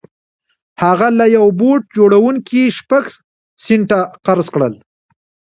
هغه له يوه بوټ جوړوونکي شپږ سنټه قرض کړل.